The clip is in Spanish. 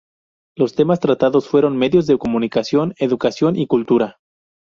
Los temas tratados fueron Medios de comunicación, Educación y Cultura.